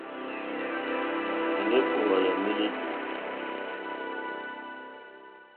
Èné kòòwà yà mílíkì.